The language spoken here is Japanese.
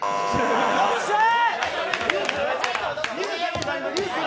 っしゃー！